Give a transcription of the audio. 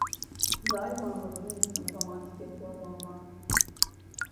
Galiba Anadolu, insanı romantik yapıyor da ondan…